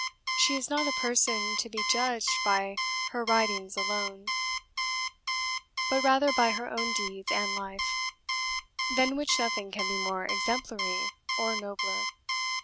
She is not a person to be judged by her writings alone, but rather by her own deeds and life, than which nothing can be more exemplary or nobler.